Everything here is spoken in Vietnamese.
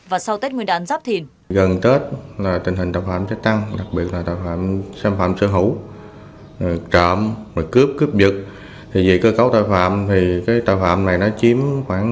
và sau tết nguyên đán giáp thìn